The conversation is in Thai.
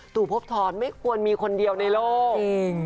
ตู่พบทรไม่ควรมีคนเดียวในโลก